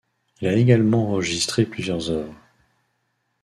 Il a également enregistré plusieurs œuvres.